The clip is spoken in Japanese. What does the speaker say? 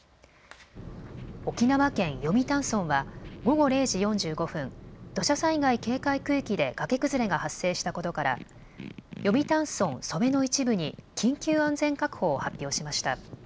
沖縄県読谷村は午後０時４５分、土砂災害警戒区域で崖崩れが発生したことから読谷村楚辺の一部に緊急安全確保を発表しました。